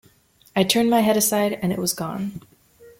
I turned my head aside, and it was gone.